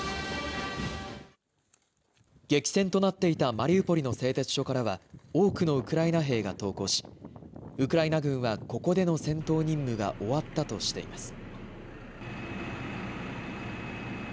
激戦となっていたマリウポリの製鉄所からは、多くのウクライナ兵が投降し、ウクライナ軍はここでの戦闘任務が終わったとしています。